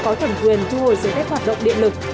có thẩm quyền thu hồi giấy phép hoạt động điện lực